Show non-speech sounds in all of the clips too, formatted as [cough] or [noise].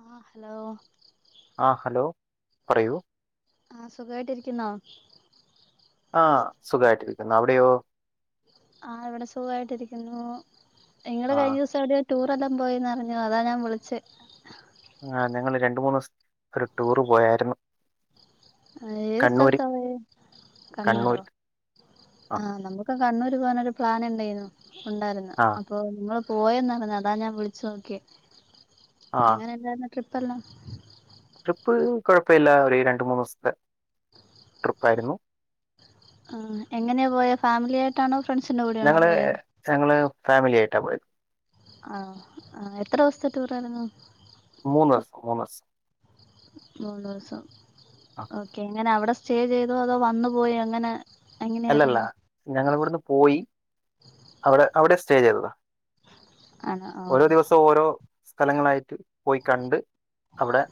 ആഹ് hello. ആഹ് hello, പറയൂ. ആഹ് സുഖായിട്ട് ഇരിക്കുന്നോ? ആഹ് സുഖായിട്ടിരിക്കുന്നു, അവിടെയോ? ആഹ് ഇവിടെ സുഖായിട്ടിരിക്കുന്നു, നിങ്ങള് ആ കഴിഞ്ഞ ദിവസം എവിടെയാണ്. ടൂർ എല്ലാം പോയിയെന്ന് അറിഞ്ഞു അതാ ഞാൻ വിളിച്ചേ. ആഹ് ഞങ്ങള് രണ്ട് മൂന്ന് ദിവസം ഒരു ടൂറ് പോയായിരുന്നു. ഏഹ് ഏത് കണ്ണൂർ സ്ഥലതാ പോയേ, കണ്ണൂർ കണ്ണൂരോ? ആ ആഹ് നമുക്ക് കണ്ണൂര് പോക്കാനൊരു പ്ലാൻ ഉണ്ടയ്നു ഉണ്ടായിരുന്നു ആ അപ്പോ. അപ്പൊ നിങ്ങള് പോയെന്ന് അറിഞ്ഞു അതാ ഞാൻ വിളിച്ചു നോക്കി ആ എങ്ങനെ ഉണ്ടായിരുന്നു ട്രിപ്പ് എല്ലാം. ട്രിപ്പ് കുഴപ്പയില്ല ഒരു രണ്ട് മൂന്ന് ദിവസത്തെ ട്രിപ്പായിരുന്നു. ആഹ് എങ്ങനെയാ പോയേ ഫാമിലി ആയിട്ടാണോ, ഫ്രണ്ട്സിന്റെ കൂടൊണോ പോയേ? ഞങ്ങള് ഫാമിലി ആയിട്ടാ പോയത്. ആഹ് ആഹ് എത്ര ദിവസത്തെ ടൂർ ആയിരുന്നു? മൂന്ന് ദിവസം മൂന്ന് ദിവസം. മൂന്ന് ദിവസം ആ ഒക്കെ എങ്ങനെ അവിടെ സ്റ്റേ ചെയ്തോ, അതോ വന്നു പോയേ എങ്ങനെ. അല്ലല്ല, എങ്ങനെയായിരുന്നു ഞങ്ങള് ഇവിടുന്ന് പോയി അവിടെ അവിടെ സ്റ്റേ ചെയ്തതാ. ആണോ ഓരോ ഓഹ് ദിവസവും ഓരോ സ്ഥലങ്ങളായിട്ട് പോയി കണ്ട്. അവിടെ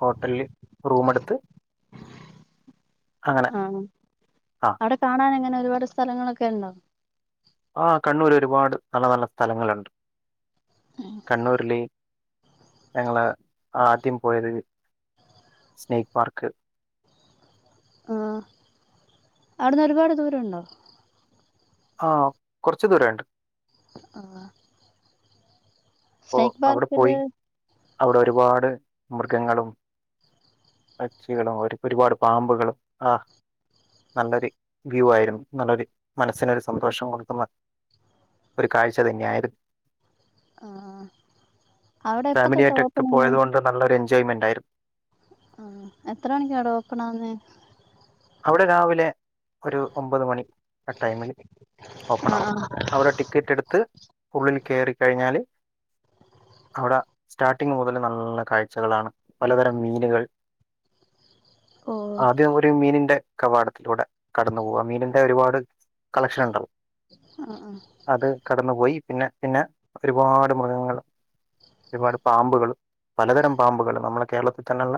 ഹോട്ടലില് റൂമടുത്ത്. ആഹ് ആഹ് അവിടെ കാണാൻ എങ്ങനെ ഒരുപാട് സ്ഥലങ്ങളൊക്കെ ഉണ്ടോ? ആഹ് കണ്ണൂര് ഒരുപാട് നല്ല നല്ല സ്ഥലങ്ങളുണ്ട്, കണ്ണൂരിയില്ല. ഞങ്ങള ആദ്യം പോയത് സ്നൈക്ക് പാർക്ക് ആഹ് അവിടുന്ന് ഒരുപാട് ദൂരം ഉണ്ടോ ആഹ് കുറച്ച് ദൂരണ്ട് ആഹ് അപ്പോ സ്നേക്ക് അവിടെ പാർക്കില് പോയി അവിടെ ഒരുപാട് മൃഗങ്ങളും പക്ഷികളും ഒരു ഒരുപാട് പാമ്പുകളും ആഹ് നല്ലൊരു വ്യൂ ആയിരുന്നു നല്ലൊരു മനസ്സിനൊരു സന്തോഷം കൊടുക്കുന്ന ഒരു കാഴ്ച തന്നെയായിരു ആഹ് അവിടെ എപ്പ തൊട്ടാ ഓപണായെ നല്ലൊര് എൻജോയ്മെന്റആയിരുന്ന് ആഹ് എത്ര മണിക്കടെ ഓപ്പണാകുന്നെ അവിടെ രാവിലെ ഒരു ഒമ്പത് മണി ടൈമിൽ ഓപ്പൺ ആഹ് ആകും ആഹ് അവിടെ ടിക്കറ്റ് എടുത്ത് ഉള്ളിൽ കയറിക്കഴിഞ്ഞാല് അവിടെ സ്റ്റാർട്ടിങ് മുതല് നല്ല കാഴ്ചകളാണ് പലതരം മീനുകൾ ഓഹ് ആദ്യം ഒരു മീനിൻ ന്റെ കവാടത്തിലൂടെ കടന്നു പോവാ മീനിന്റെ ഒരുപാട് കളക്ഷൻ ഉണ്ടല്ലോ ആഹ് ആഹ് അത് കടന്നു പോയി പിന്നെ പിന്നെ ഒരുപാട് മൃഗങ്ങൾ ഒരുപാട് പാമ്പുകൾ പലതരം പാമ്പുകൾ നമ്മളെ കേരളത്തിൽ തന്നെല്ല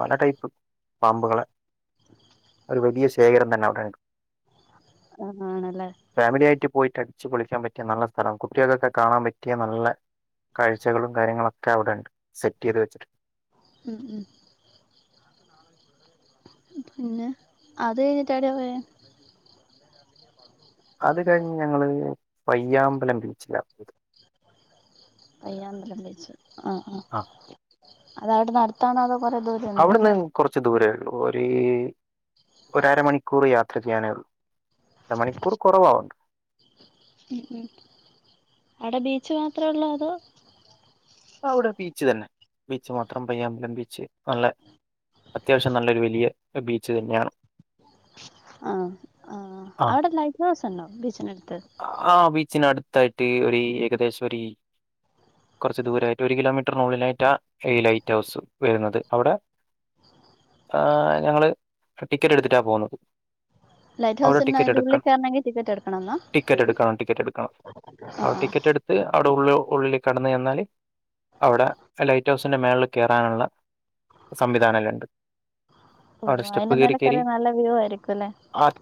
പല ടൈപ്പ് പാമ്പുകള് ഒരു വലിയ ശേഖരം തന്നെ അവിടെ ആഹ് ആണല്ലേ ഫാമിലി ആയിട്ട് പോയിട്ട് അടിച്ച് പൊളിക്കാൻ പറ്റിയ നല്ല സ്ഥലം കുട്ടികൾക്കൊക്കെ കാണാൻ പറ്റിയ നല്ല കാഴ്ചകളും കാര്യങ്ങളൊക്കെ അവിടെ സെറ്റ് ചെയ്ത് വെച്ചിട്ടു ഉം ഉം പിന്നെ അത് കഴിഞ്ഞിട്ട് ഏടെ പോയെ [inaudible] [inaudible] അത് കഴിഞ്ഞ് ഞങ്ങള് പയ്യാമ്പലം ബീച്ചിലാണ് പയ്യാമ്പലം ബീച്ച് ആഹ് ആഹ് ആ അതവിടെ അടുത്താണൊ അതോ കൊറെ ദൂര അവിടുന്ന് കുറച്ച് ദൂരേ ഉള്ളൂ ഒരു ഒര് അരമണിക്കൂർ യാത്ര ചെയ്യാനേ ഉള്ളു അര മണിക്കൂർ കുറവാവും ഉം ഉം അവിടെ ബീച്ച് മാത്രമേ ഉള്ളൂ അതോ അവിടെ ബീച്ച് തന്നെ ബീച്ച് മാത്രം പയ്യാൻമ്പലം ബീച്ച് നല്ല അത്യാവശ്യം നല്ലൊരു വലിയ ബീച്ച് തന്നെയാണ് ആഹ് ആഹ് അവിടെ ലൈറ്റ് ഹൗസ് ഉണ്ടോ ബീച്ചിനടുത്ത് ആഹ് ബീച്ചിനടുത്തായിട്ട് ഒരു ഏകദേശം ഒരു കുറച്ച് ദൂരമായിട്ട് ഒരു കിലോമീറ്റർ റ്ററുള്ളിലായിട്ടാ ഈ ലൈറ്റ് ഹൗസ് വരുന്നത് അവിടെ ഏഹ് ഞങ്ങള് ടിക്കറ്റ് എടുത്തിട്ടാണ് പോകുന്നത് അവിടെ ടിക്കറ്റ് എടുക്കണം നെ ടിക്കറ്റ് എടുക്കണന്നാ ടിക്കറ്റ് എടുക്കണം ടിക്കറ്റ് എടുക്കണം അടെ ആഹ് ടിക്കറ്റ് എടുത്ത് അവിടെ ഉള്ളിൽ ഉള്ളിൽ കെടന്ന് ചെഞ്ഞാൽ അവിടെ ലൈറ്റ് ഹൗസിന്റെ മേളില് കയറാനുള്ള സംവിധാനല്ലുണ്ട് അവിടെ ഓഹ് സ്റ്റെപ്പ് അതിന്റെ കയറി മേലെ കയറി കേറിയാ നല്ല വ്യൂ ആയിരിക്കും അല്ലേ [unintelligible]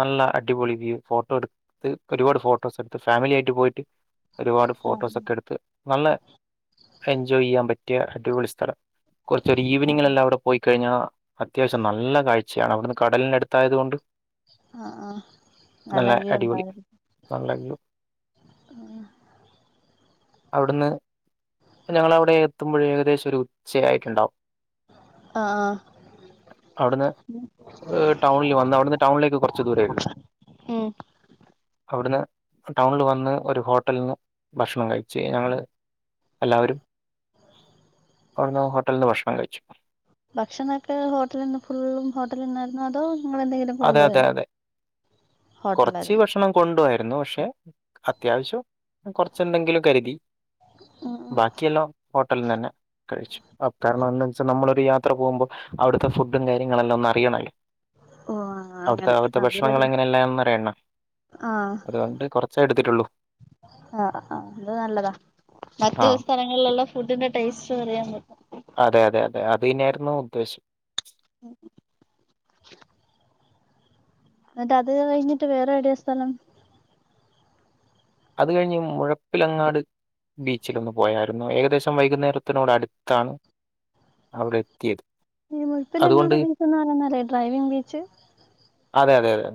നല്ല അടിപൊളി വ്യൂ ഫോട്ടോ എടുക്ക ടുത്ത് ഒരുപാട് ഫോട്ടോസ് എടുത്ത് ഫാമിലി ആയിട്ട് പോയിട്ട് ഒരുപാട് ആഹ് ഫോട്ടോസൊക്കെ എടുത്ത് നല്ല എൻജോയെയ്യാൻ പറ്റിയ അടിപൊളി സ്ഥലം കാെർച്ചാെര് ഈവെനിങ്ങ്ലെല്ലാം അവ്ടെ പോയിക്കഴിഞ്ഞാ അത്യാവശ്യം നല്ല കാഴ്ച്ചയാണ് അവ്ട്ന്ന് കടൽനട്ത്തായത് കൊണ്ട് ആഹ് ആഹ് നല്ല വ്യൂണ്ടാകല് നല്ല വ്യൂ ആഹ് അവിടുന്ന് പ്പ ഞങ്ങളവിടെ എത്തുമ്പഴെ ഏകദേശാെരു ച്ചയായിട്ട്ണ്ടാവും ആഹ് ആഹ് അവിട്ന്ന് ടൗണിൽ വന്ന് അവ്ട്ന്ന് ടൗൺലേക്ക് കാെർച്ച് ദൂരേള്ളു ഉം അവിട്ന്ന് ടൗൺൽ വന്ന് ഒര് ഹോട്ടൽന്ന് ഭക്ഷണം കഴിച്ചു ഞങ്ങെള് എല്ലാവരും അവിട്ന്ന് ഹോട്ടൽന്ന് ഭക്ഷണം കഴിച്ചു ഭക്ഷണൊക്കെ ഹോട്ടല്ന്ന് ഫുള്ളും ഹോട്ടലിന്നായ്ര്ന്നാേ അതോ നിങ്ങെളെന്തെങ്കിലു അതെ അതെ അതെ കാെറെച്ച് ഹോട്ടലായിരുന്നു ഭക്ഷണം കൊണ്ട് പോയായ്ര്ന്നു പക്ഷെ അത്യാവശ്യം കാെർച്ചെന്തെങ്കിലും കര്തി ആഹ് ബാക്കിയെല്ലാം ഹോട്ടൽന്ന് തന്നെ കഴിച്ചു അഹ് കാര്ണം എന്താ വെച്ചാ നമ്മളൊരു യാത്ര പോകുമ്പോ അവിട്ത്തെ ഫുഡ്ഡും കാര്യങ്ങളെല്ലാം ഒന്ന് അറിയണൽ ഓഹ് ആഹ് അവിട്ത്തെ അവിട്ത്തെ ഭക്ഷണങ്ങളെങ്ങെനെയല്ലാംന്ന് അറയണം ആഹ് അതുകൊണ്ട് കൊറച്ചേ എട്ത്തിട്ടാെള്ളൂ ആഹ് അത് നല്ലതാ മറ്റേ ആഹ് ഒര് സ്ഥല ങ്ങൾള്ള ഫുഡിന്റെ ടേസ്റ്റും അറിയാം പറ്റും അതെ അതെ അതെ അത് തന്നെയായ്ര്ന്നു ഉദ്ദേശ് ഉ ന്നട്ട് അത് കഴിഞ്ഞിട്ട് വേറെവിടെയാ സ്ഥലം അത് കഴിഞ്ഞ്ങ്ങ് മുഴപ്പിലങ്ങാട് ബീച്ചിലൊന്ന് പോയായ്ര്ന്നു ഏകദേശം വൈക്ന്നേരത്തിനോട് അട്ത്താണ് അവ്ടെ എത്ത്യേ ഈ മുഴ്പ്പിലങ്ങാട് ബീച്ചെന്ന് പറയ്ന്നല്ലേ ഡ്രൈവിംഗ് ബീച്ച് അതെ അതെ അതെ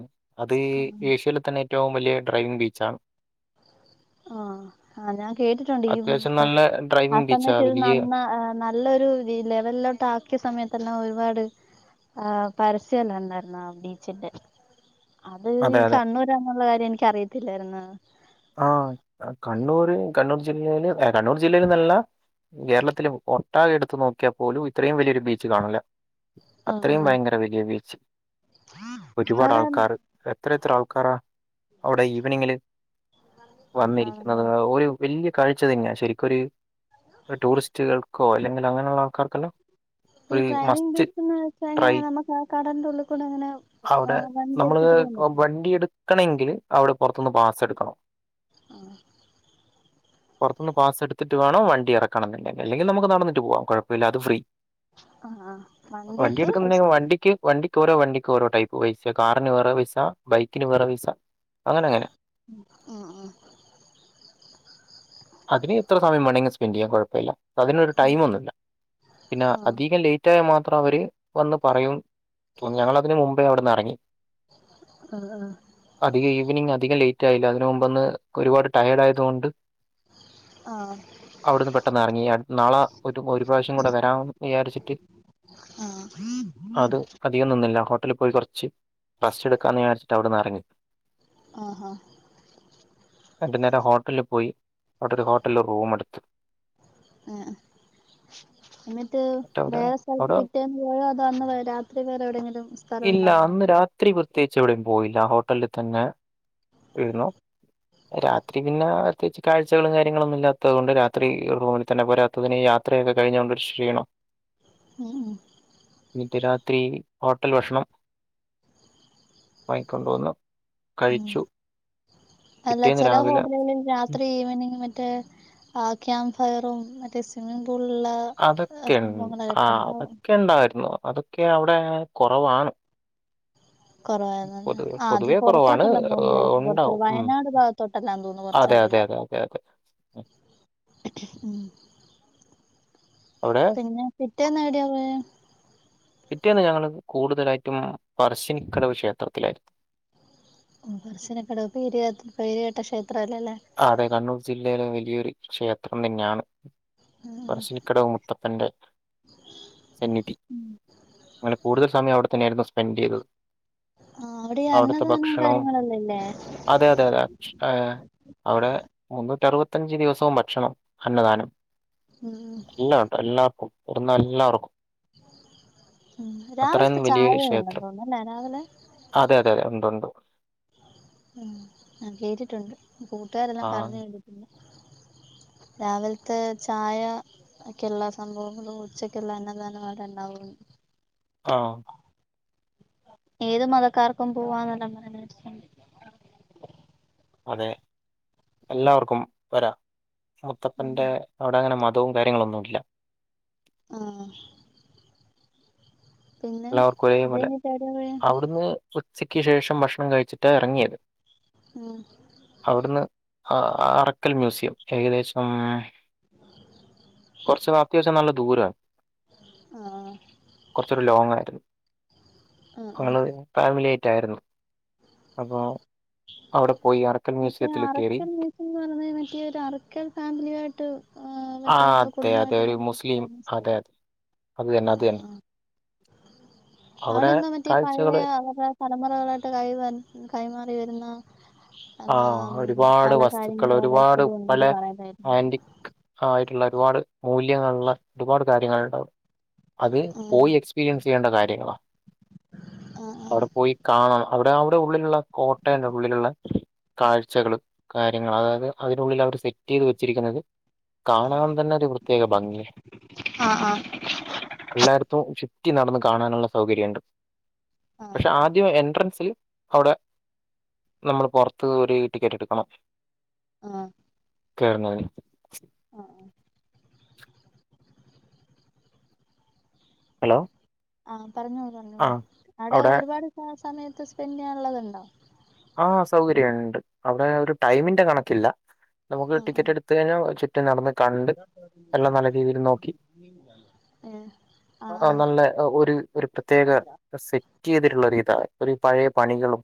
അത് ഏഷ്യേലെ തന്നെ ഏറ്റവും വലിയെ ഡ്രൈവിംഗ് ബീച്ചാണ് ആഹ് ആഹ് ഞാൻ കേട്ടിട്ടുണ്ട് ഈ അത്യാവശ്യം പ നല്ല ആ ഡ്രൈവിംഗ് ബീച്ചാ സമയത്ത് ഇത് വലിയ നന്നാ ഏഹ് ന ല്ലൊരു ഈ ലെവൽലോട്ട് ആക്കിയ സമയത്തെല്ലാം ഒരുപാട് ആഹ് പരസ്യെല്ലാംണ്ടായ്‌ര്ന്നാ ബീച്ചിന്റെ അത് ഈ അതെ അതെ കണ്ണൂരാന്ന്ള്ള കാര്യം എനിക്കറിയത്തില്ലാര്ന്ന് ആഹ് കണ്ണൂര് കണ്ണൂർ ജില്ലേല് എ കണ്ണൂർ ജില്ലേൽന്നെല്ലാ കേരളത്തില് ഒട്ടാകെ എട്ത്ത് നോക്ക്യാപ്പോലും ഇത്രേം വലിയൊരു ബീച്ച് കാണൂലാ ആ അത്രേം ആ ഭയങ്കര വല്യ ബീച്ച് ഒരുപാട് അവിടെ ആൾക്കാറ് എത്രെയെത്ര ആൾക്കാറാ അവ്ടെ ഈവെനിങ്ങ്ല് വന്നിരിക്ക്ന്നത് ആണല്ലേ ഒരു വല്യ കാഴ്ച തെന്നെയാ ശെരിക്കൊര് ടൂറിസ്റ്റ്കൾക്കോ അല്ലെങ്കിൽ അങ്ങെനെള്ള ആൾക്കാർക്കെല്ലാം ഈ ഒരു ഡ്രൈവിംഗ് മസ്റ്റ് ബീച്ച്ന്ന് വെച്ചാ ട്രൈ എങ്ങെനെ നമുക്ക് ആ കടെന്റെ ഉള്ളി കൂടെങ്ങെനെ ആഹ് വണ്ടി എട്ത്തിട്ട് പോവാം പറ്റോ ക്കണെങ്കില് അവിടെ പാെറത്തുന്ന് ബാസെട്ക്കണം ആഹ് പൊർത്തുന്ന് ബാസെട്ത്ത്ട്ട് വേണം വണ്ടി എറെക്കണംന്ന്ണ്ടെങ്കി അല്ലെങ്കി നമുക്ക് നടന്നിട്ട് പോവാം കാെഴപ്പല്ല അത് ഫ്രീ ആ ആ വണ്ടി വണ്ടിക്ക് എട്ക്കുന്നുണ്ടെ പൈസ വേണം വണ്ടിക്ക്യ് വണ്ടി ക്കോരോ വണ്ടിക്കാേരോ ടൈപ്പ് പൈസ്യാ കാറ്ന് വേറെ പൈസാ ബൈക്ക്ന് വേറെ പൈസാ അങ്ങനെ അങ്ങനെ ഉം ഉം അതിന് എത്ര സമയം വേണങ്കി സ്പെൻഡിയ്യ കൊഴപ്പില്ല അതിനൊര് ഉം ടൈമൊന്നില്ല പിന്നെ ഉം ആ അധികം ലേറ്റ് റ്റായ മാത്രം അവര് വന്ന് പറയും ഞങ്ങളതിന് മുമ്പേ അവിടുന്ന് എറങ്ങി ആഹ് ആഹ് അധിക ഈവനിംഗ് അധികം ലേറ്റ ആയില്ല അതിന് മുമ്പൊന്ന് ഒരുപാട് ട്ടയേഡായതുകൊണ്ട് ആഹ് അവിടുന്ന് പെട്ടെന്ന് എറങ്ങി നാളെ ഒരു ഒരു പ്രാവശ്യം കൂട വരാ വിചാരിച്ചിട്ട് ആഹ് അത് അധികം നിന്നില്ല ഹോട്ടലി പോയി കൊറ്ച്ച് റസ്റ്റെടുക്കാന്ന് വിചരിച്ചിട്ട് അവിടുന്ന് എറങ്ങി ആഹാ രണ്ടു നേരം ഹോട്ടലിൽ പോയി അവിടൊരു ഹോട്ടൽല് റൂമെട്ത്ത് ഏഹ് എന്നിട്ട് അവിടെ വേറെ സ്ഥലത്ത് അവിടെ പിറ്റേന്ന് പോയോ അതൊ അന്ന് രാത്രി വേറെ എവിടെയെങ്കിലും സ്ഥലം ഉണ്ടായിരുന്നൊ ഒത്തിരി പ്രത്യേകിച്ച് എവിടേം പോയില്ല ഹോട്ടൽല് തന്നെ ഇരുന്നു രാത്രി പിന്നാ പ്രത്യേകിച്ച് കാഴ്ചകളും കാര്യങ്ങളും ഇല്ലാത്തത് കൊണ്ട് രാത്രി റൂമി തന്നെ പോരാത്തതിന് യാത്ര ഒക്ക കഴിഞ്ഞ കൊണ്ട് ക്ഷീണം ഉം ഉം ഇന്നിട്ട് രാത്രി ഹോട്ടൽ ഭക്ഷണം വാങ്ങിക്കൊണ്ട് വന്നു ഉം കഴിച്ചു. അല്ല പിറ്റേന്ന് ചെലേ രാവിലെ ഹോട്ടല്കളിൽ രാ ഉം, ത്രി ഈവനിംഗ് മറ്റേ ആഹ് ക്യാമ്പ് ഫയറും മറ്റെ സ്വിമ്മിംഗ് പൂളില്ള്ളാ അതൊക്കെ ഇൺ ആഹ് അതൊക്കെ ഇണ്ടാര്ന്നു അതൊക്കെ അവിടെ കൊറവാണ് കൊറവായിരുന്നല്ലെ ആഹ് അത് ഈ പൊതുവേ കുറവാണ് പുറത്തോട്ടെല്ലാം ഏഹ്, പോകുമ്പായിരിക്കും കൊറ്ച്ചു ഉണ്ടാവും. ഉം. വയനാട് ഭാഗത്തോ ല്ലാ തോന്ന്ന്നു അതെ, അതെ, കൊറ്ച്ചധികം അതെ, അതെ, അതെ. ഉം. ഉം അവ്ടെ പിന്ന പിറ്റേന്നെവിടെയ പോയേ പിറ്റേന്ന് ഞങ്ങള് കൂടുതലായിട്ടും പറർശ്ശിനിക്കടവ് ക്ഷേത്രത്തിലായിരുന്നു ഓഹ് പർശിനിക്കടവ് പേ പേരുകേട്ട ക്ഷേത്ര അല്ലെലേ അതെ കണ്ണൂർ ജില്ലയില് വല്യൊരു ക്ഷേത്രം തന്ന്യാണ് ഉം പർശിനിക്കടവ് മു ത്തപ്പന്റെ സന്നിധി അങ്ങനെ കൂടുതൽ സമയം അവ്ടെ തന്നെയാര്ന്നു സ്പെൻഡീതത് ആഹ് അവ്ടെ അന്നദാനം കാര്യങ്ങളല്ലെല്ലാ ഇല്ലെ ആഹ് അവ്ടെ മുന്നൂറ്റ അറുപത്തഞ്ച് ദിവസവൊം ഭക്ഷണം അന്നദാനം ഉം എല്ലാർക്കും കൊട്ന്ന എല്ലാർക്കും ഉം രാവില്ത്തെ വലിയൊരു ചായ ഉണ്ട ക്ഷേത്രം. തോന്ന് അല്ലെ രാവിലെ അതെ അതെ അതെ ഉണ്ട് ഉണ്ട് ഉം ഞാൻ കേട്ടിട്ടുണ്ട് കൂട്ടുകാരെല്ലാം ആഹ്, പറഞ്ഞ് കേണ്ടിട്ടില്ല രാവില്ത്തേ ചായ അക്കെല്ലാ സംഭവങ്ങളും ഉച്ചക്കില്ല അന്നദാനവ അവ്ടെ ഇൺടാവു ആഹ് ഏത് മതക്കാർക്കും പോവാന്നല്ലെ പറഞ്ഞ് അതെ എല്ലാവർക്കും വരാ മുത്തപ്പന്റെ അവിടെ അങ്ങനെ മതവും കാര്യങ്ങളൊന്നുല്ല ആഹ് പിന്നെ എല്ലാവർക്കും അത് ഒരേപോലെ കഴിഞ്ഞിട്ട് എവിടെയാ പോയെ അവിട്ന്ന് ഉച്ചക്ക് ശേഷം ഭക്ഷണം കഴിച്ചിട്ട എറങ്ങിയത് ആഹ് അവിടുന്ന് അറക്കൽ മ്യൂസിയം. ഏകദേശം കുറച്ച അത്യാവശ്യം നല്ല ദൂരം ആഹ് കുറച്ചൊരു ലോങ് ആയിരുന്നു. ആഹ് ആഹ് ഞങൾ ഫാമിലി ആയിട്ടായിരുന്നു. അപ്പോൾ അവിടെ പോയി ഇറക്ക മറ്റേ അറക്കൽ മ്യൂസിയം എന്ന് പറയുന്നത് മറ്റേ ഒരു അറക്കൽ ഫാമിലിയായിട്ട്. ആ് ആ മറ്റേ എന്തോ അതെ അതെ കുടുംബമായിട്ട് ഒരു മുസ്ലിം അതെ ബന്ധപ്പെട്ട അതെ അത് ആ തന്നെ അത് തന്നെ. അവിടെ എന്താ മറ്റേ പഴയ അവരുടെ തലമുറകളായിട്ട് കൈ കൈമാറി വരുന്ന. ആ എന്നാ ഒരുപാട് പല വസ്തുക്കൾ കാര്യങ്ങളും അവിടെ ഒരുപാട് എപ്പോഴും പല ഉണ്ടെന്ന് പറയുന്ന കേട്ടിട്ടുണ്ട് ആൻഡക് ആ ആയിട്ടുള്ള ഒരുപാട് മൂല്യങ്ങളുള്ള ഒരുപാട് കാര്യങ്ങളൾ ഉണ്ടും. അത് ആഹ് പോയി എക്സ്പീരിയൻസ് ചെയ്യേണ്ട കാര്യങ്ങളാ ആഹ് ആഹ് അവിടെ പോയി. കാണണം അവിടെ അവിടെ ഉള്ളിലുള്ള കോട്ടയന്റെ ഉള്ളിലുള്ള. കാഴ്ചകൾ കാര്യങ്ങൾ അതായത് അതിനുള്ളിൽ അവർ സെറ്റ് ചെയ്ത് വെച്ചിരിക്കുന്നത്. കാണാൻ തന്നെ ഒരു പ്രത്യേക ഭംഗി. ആഹ് എല്ലായിർത്തും ചുറ്റി നടന്ന് കാണാനുള്ള സൗകര്യമുണ്ട്. പക്ഷെ ആഹ് ആദ്യം എൻട്രൻസി. അവിടെ നമ്മൾ പുറത്ത് ഒരു ടിക്കറ്റ് എടുക്കണം. ആഹ് കാണാന്. ആഹ ആ ഹലോ? ആഹ പറഞ്ഞോ പറഞ്ഞോ ആ അവിടെ ഒരുപാട് സമയത്ത് സ്പെൻഡ് ചെയ്യാനള്ളത്ണ്ടോ? ആഹ സൗകര്യം ഉണ്ട്. അവിടെ ഒരു ടൈമിന്റെ കണക്കില്ല. നമുക്ക് ടിക്കറ്റ് എടുത്ത കഴിഞ്ഞാൽ ഒകെ നടന്ന് കണ്ട് എല്ലാം നല്ല രീതിയിൽ നോക്കി ആഏ ആ നല്ല ഒര് ഒരു പ്രത്യേക സെറ്റ ചെയ്തിട്ടുള്ള ഒരിതാ ഒരു പഴയ പണികളും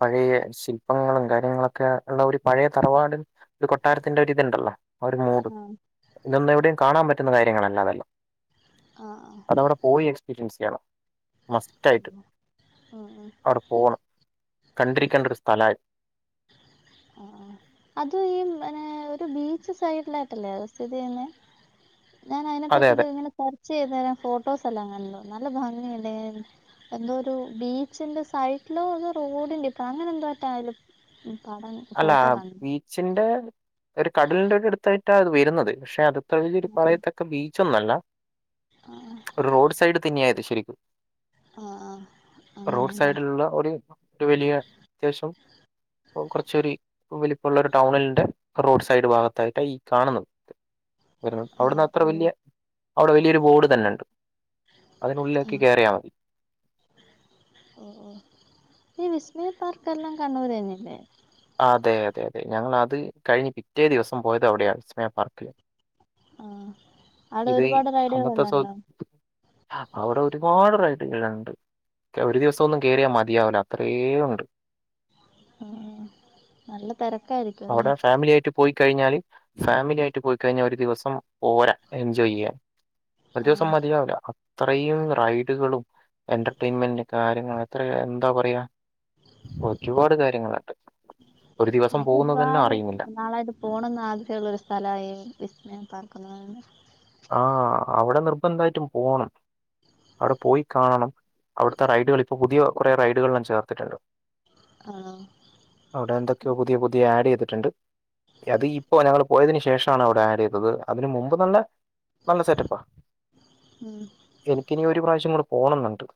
പഴയ ശില്പങ്ങളും കാര്യങ്ങളൊക്കെ ഉള്ള ഒരു പഴയ തറവാട് ഒരു കൊട്ടാരത്തിന്റെ ഒരിതുണ്ടല്ലോ ആ ഒരു മൂഡ് ആഹ് ഇതൊന്ന് എവിടെയും കാണാ പറ്റുന്ന കാര്യങ്ങളല്ല അതെല്ലോ. ആഹ ആ. അവടെ പോയി എക്സ്പീരിയൻസ് ചെയ്യണം. മസ്റ്റയിട്ട് ആഹ് അവിടെ പോണം. കണ്ടിരിക്കണ്ട ഒരു സ്ഥല ആ അ അത് ഈ പിന്നെ ഒരു ബീച്ച് സൈഡിലായിട്ടല്ലേ അത് സ്ഥിതി ചെയ്യ്ന്നെ? ഞാൻ അതിനെ അതെ പറ്റിട്ട് അതെ ഇങ്ങനെ സെർച്ച് ചെയ്ത് രെ ഫോട്ടോസ് എല്ലാം കണ്ടു നല്ല ഭംഗിണ്ടേ. എന്തോ ഒരു ബീച്ചിന്റെ സൈഡിലോ അ റോഡിന്റെ അ അങ്ങനെ എന്ധോ റ്റായാലും പഠനം അല്ല ബീച്ചിന്റെ ഒരു കടലിന്റെ ഒ അടുത്തായിട്ടാ അത് വെരുന്നത് പക്ഷെ അത്. [unintelligible] ആഹ് പറയത്തക്ക ബീച്ചൊന്നല്ല. ആഹ്. ഒരു റോഡ് സൈഡ് തന്നെയാത് ശെരിക്കും. ആഹ് റോഡ് അങ്ങനെയല്ലേ സൈഡിലുള്ള ഒര് ഒരു വെലിയ അത്യാവ്ശ്യം കൊർച് ഇച്ചിരി വലുപ്പുള്ള ഒരു ടൗണിന്റെ റോഡ് സൈഡ് ഭാഗത്തായിട്ട് ഈ കാണുന്നത്. വ അവിടുന്ന് ആഹ് അത്ര ഓഹ് വെല്ല്യ അവിടെ വെല്ല്യോരു ബോർഡ് തന്നെ ണ്ട്. അതിനുള്ളിലേക്ക് ആഹ് കേറിയാ മതി. ഓ ഓ ഈ വിസ്മയ പാർക്കെല്ലാം കണ്ണൂർ ന്നല്ലേ? ആഹ് അതെ അതെ അതെ ഞങ്ങള അത് കഴിഞ്ഞ് പിറ്റേ ദിവസം പോയത് അവിടെയാ വിസ്മയ പാർക്കില്. ആഹ് അവിടെ ഒരുപാട് റൈഡുകളെല്ലാം ഉണ്ടോ? അവ്ടെ ഒരുപാട് റൈഡിങ്ങിലോണ്ട്. ഒരു ദിവസം ഒന്നും കേറിയാ മതിയാവൂല അത്രേ ഉണ്ട്. ഉം നല്ല തെരക്കായിരിക്കും. അവടെ ഫാമിലി ആയിട്ട് പോയി കഴിഞ്ഞാല് ഫാമിലി ആയിട്ട് പോയ്ക്കഴിഞ്ഞാ ഒര് ദിവസം പോരാ എൻജോയ് യ്യാൻ. ഒരു ആ ദിവസം മതിയാവൂല അത്രയും റൈഡുകളും എന്റർടൈൻമെന്റ് കാര്യങ്ങൾ എത്ര എന്താ പറയാ ഒരുപാട് കാര്യങ്ങളണ്ട്. എനിക്ക് ഒരുപാട് അറിയുന്നില്ല നാളായിട്ട് പോണംന്ന് ആഗ്രഹുള്ള ഒരു സ്ഥലയി വിസ്മയ പാർക്ക് എന്ന് പറയുന്നേ. ആഹ് അവടെ നിർബന്ധയിട്ടും പോണം. അവിടെ പോയി കാണണം അവിടുത്തെ റൈഡുകൾ ഇപ്പൊ പുതിയ കുറെ റൈഡുകൾ ചേർത്തിട്ട്ണ്ട്. ആണോ അവിടെ എന്തൊക്കെയോ പുതിയ ത് ആഡ് യ്തിട്ട്ണ്ട് അത് ഇപ്പോ ഞങ്ങൾ പോയതിന് ശേഷണ് അവിടെ ആഡ് ചെയ്തത് അതിന് മുമ്പ് നല്ല നല്ല സെറ്റപ്പാ ഉം എനിക്കിനി ഒരു പ്രാവശ്യം കൂടെ പോണംന്ന്ണ്ട്.